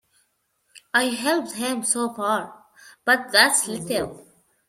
I helped him so far, but that's little.